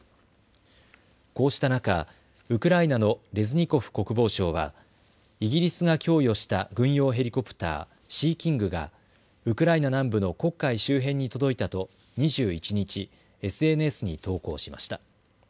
こうした中、ウクライナのレズニコフ国防相はイギリスが供与した軍用ヘリコプター、シー・キングがウクライナ南部の黒海周辺に届いたと２１日、ＳＮＳに投稿しました。